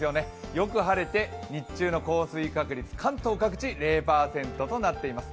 よく晴れて日中の降水確率、関東各地０％となっています。